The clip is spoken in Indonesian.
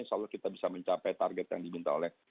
insya allah kita bisa mencapai target yang diminta oleh